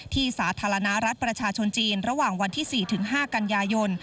สาธารณรัฐประชาชนจีนระหว่างวันที่๔๕กันยายน